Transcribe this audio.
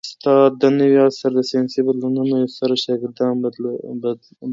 استاد د نوي عصر د ساینسي بدلونونو سره شاګردان بلدوي.